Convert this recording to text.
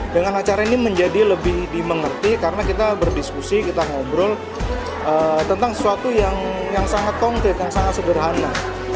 dengan acara ini menjadi lebih dimengerti karena kita berdiskusi kita ngobrol tentang sesuatu yang sangat konkret yang sangat sederhana